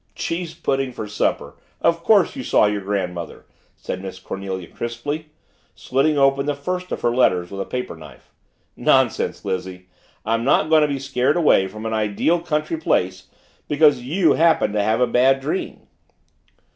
"Cheese pudding for supper of course you saw your grandmother!" said Miss Cornelia crisply, slitting open the first of her letters with a paper knife. "Nonsense, Lizzie, I'm not going to be scared away from an ideal country place because you happen to have a bad dream!"